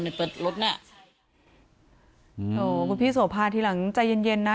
เปิดรถน่ะใช่คุณพี่โสภาทีหลังใจเย็นเย็นนะ